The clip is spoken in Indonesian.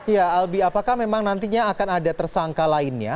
ya albi apakah memang nantinya akan ada tersangka lainnya